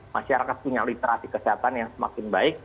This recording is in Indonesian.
masyarakat punya literasi kesehatan yang semakin baik